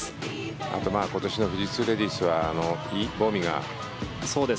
あと今年の富士通レディースはイ・ボミが。